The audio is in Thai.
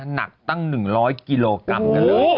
หนักตั้ง๑๐๐กิโลกรัมกันเลย